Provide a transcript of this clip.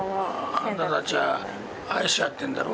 あんたたちは愛し合ってんだろ？